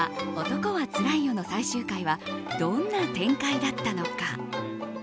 「男はつらいよ」の最終回はどんな展開だったのか。